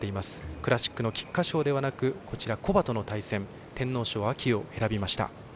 クラシックの菊花賞ではなく古馬との対戦、天皇賞を選びました。